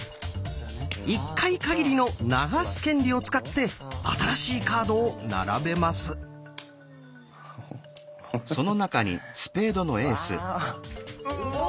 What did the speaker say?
一回限りの「流す」権利を使って新しいカードを並べます。わ！